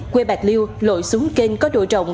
quê bạc liêu lội xuống kênh có độ rộng